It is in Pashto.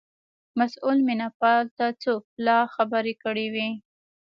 مسئول مینه پال ته څو پلا خبره کړې وه.